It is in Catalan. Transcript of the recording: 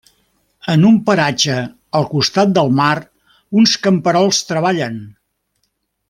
En un paratge al costat del mar, uns camperols treballen.